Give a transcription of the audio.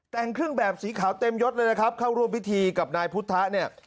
แต่งเครื่องแบบสีขาวเต็มยดเลยนะครับเข้าร่วมพิธีกับนายพุทธะเนี่ย